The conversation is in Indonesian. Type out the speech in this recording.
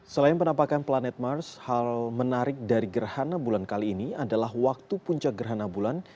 selain penampakan planet mars hal menarik dari gerhana bulan kali ini adalah waktu puncak gerhana bulan